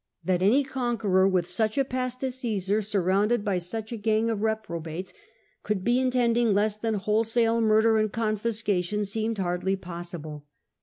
That any conqueror with such a past as Cmsar, surrounded by such a gang of reprobates, could be in tending less than wholesale murder and confiscation seemed hardly possible.